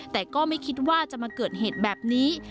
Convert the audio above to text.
แต่ก็ไม่คิดว่าจะมาเกิดเหตุแบบนี้